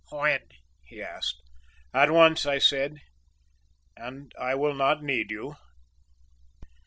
"When?" he asked. "At once," I said, "and I will not need you."